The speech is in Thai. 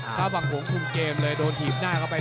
เท้าฝังโขมคุมเกมเลยโดนหีบหน้าเข้าไป